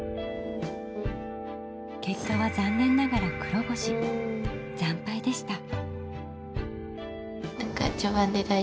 結果は残念ながら黒星惨敗でした。